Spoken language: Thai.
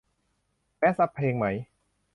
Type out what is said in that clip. แมชอัปเพลงไหม